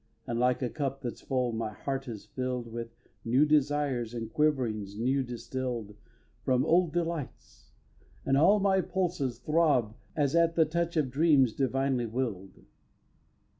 And, like a cup that's full, my heart is fill'd With new desires and quiverings new distill'd From old delights; and all my pulses throb As at the touch of dreams divinely will'd.